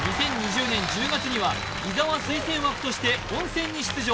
２０２０年１０月には伊沢推薦枠として本選に出場